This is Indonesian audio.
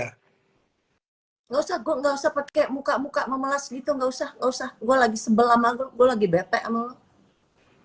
hai dosa gua nggak usah pakai muka muka memelas gitu nggak usah usah gua lagi sebelah magel lagi